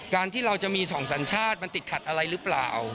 การที่เราจะมีสองสัญชาติมันติดขัดอะไรหรือเปล่า